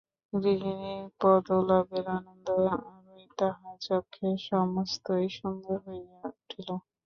গৃহিণীপদলাভের আনন্দ-আভায় তাহার চক্ষে সমস্তই সুন্দর হইয়া উঠিল।